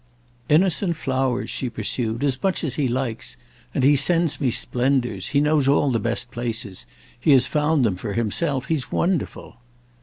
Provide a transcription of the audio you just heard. "Innocent flowers," she pursued, "as much as he likes. And he sends me splendours; he knows all the best places—he has found them for himself; he's wonderful."